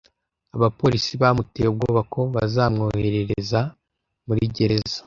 Abapolisi bamuteye ubwoba ko bazamwohereza muri gereza.